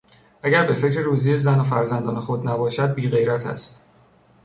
اگر به فکر روزی زن و فرزندان خود نباشد بیغیرت است.